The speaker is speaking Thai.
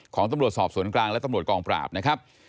ของตำรวจสอบสวนกลางและตำรวจกองปราบนะครับ